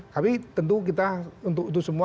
tapi tentu kita untuk itu semua